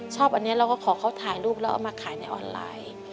ชอบอันนี้เราก็ขอเขาถ่ายรูปแล้วเอามาขายในออนไลน์